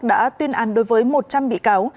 đã tuyên án đối với một trăm linh bị cáo